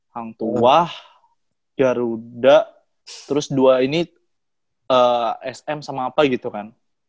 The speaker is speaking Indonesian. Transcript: hang tua yara uda terus dua ini sm sama apa gitu kan